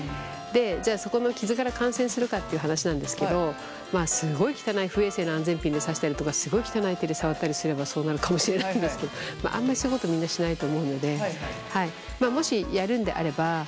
じゃあそこの傷から感染するかっていう話なんですけどまあすごい汚い不衛生な安全ピンで刺したりとかすごい汚い手で触ったりすればそうなるかもしれないんですけどあんまりそういうことみんなしないと思うので。